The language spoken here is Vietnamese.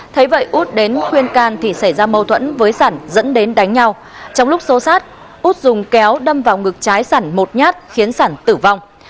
thế vậy út đến khuyên can thì xảy ra mâu thuẫn với sản dẫn đến đánh nhau trong lúc xô sát út dùng kéo đâm vào ngực trái sẵn một nhát khiến sản tử vong